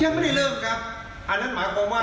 ยังไม่ได้เริ่มครับอันนั้นหมายความว่า